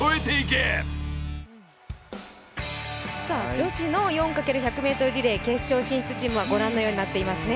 女子の４×１００ｍリレー決勝進出チームはご覧のようになっていますね。